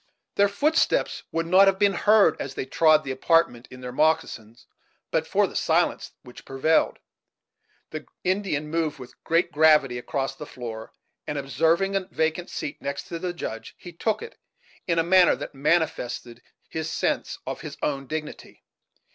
Their footsteps would not have been heard, as they trod the apartment in their moccasins, but for the silence which prevailed. The Indian moved with great gravity across the floor, and, observing a vacant seat next to the Judge, he took it, in a manner that manifested his sense of his own dignity.